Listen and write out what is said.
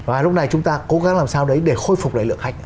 và lúc này chúng ta cố gắng làm sao để khôi phục lượng khách